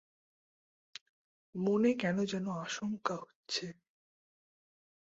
মনে কেন যেন আশংকা হচ্ছে।